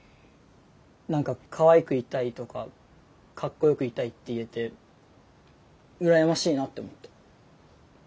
何かかわいくいたいとかかっこよくいたいって言えて羨ましいなって思った。